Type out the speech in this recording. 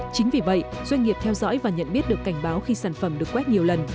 chính vì vậy doanh nghiệp theo dõi và nhận biết được cảnh báo khi sản phẩm được quét nhiều lần